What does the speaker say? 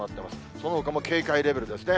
そのほかも警戒レベルですね。